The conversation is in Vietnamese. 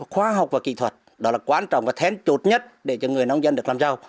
đó là khoa học và kỹ thuật đó là quan trọng và thén chốt nhất để cho người nông dân được làm sao